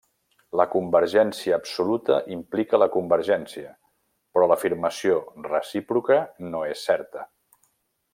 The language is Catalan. La convergència absoluta implica la convergència, però l'afirmació recíproca no és certa.